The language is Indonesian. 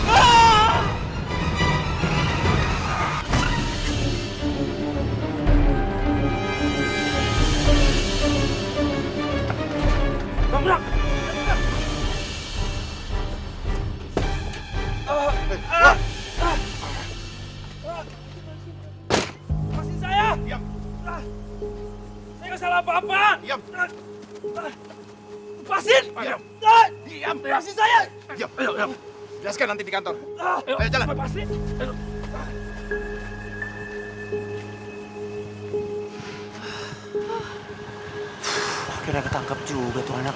akhirnya ketangkep juga tuh anak